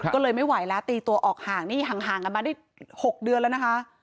ก็เลยไม่ไหวแล้วตีตัวออกห่างนี่ห่างกันมาได้๖เดือนแล้วนะคะ